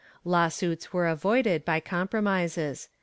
Lawsuits were avoided by compromises.